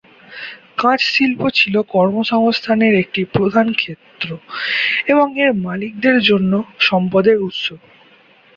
কাচ শিল্প ছিলো কর্মসংস্থানের একটি প্রধান ক্ষেত্র এবং এর মালিকদের জন্য সম্পদের উৎস।